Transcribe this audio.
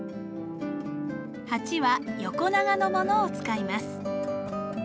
鉢は横長のものを使います。